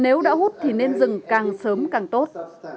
nếu đã hút thuốc lá thì nên dừng càng sớm càng tốt